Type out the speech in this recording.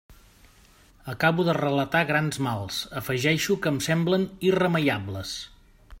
Acabo de relatar grans mals; afegeixo que em semblen irremeiables.